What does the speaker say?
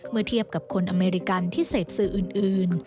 เมื่อเทียบกับคนอเมริกันที่เสพสื่ออื่น